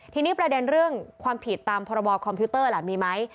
ทีนี้ประเด็นเรื่องความผิดตามพรบคอมพิวเตอร์ล่ะมีไหม